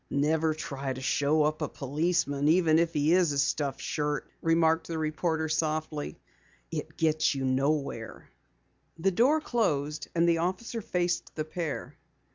"Never try to show up a policeman, even if he is a stuffed shirt," remarked the reporter softly. "It gets you nowhere." The door closed and the officer faced the pair.